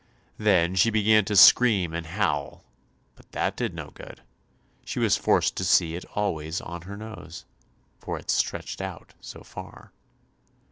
Then she began to scream and howl, but that did no good; she was forced to see it always on her nose, for it stretched out so far.